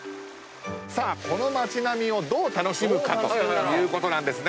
さあこの町並みをどう楽しむかということなんですね。